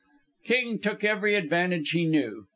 King took every advantage he knew.